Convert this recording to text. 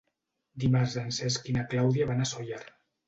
Dimarts en Cesc i na Clàudia van a Sóller.